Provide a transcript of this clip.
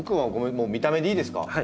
もう見た目でいいですか？